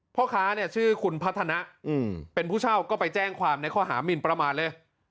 พ่อค้าเนี่ยชื่อคุณพัฒนะเป็นผู้เช่าก็ไปแจ้งความในข้อหามินประมาทเลย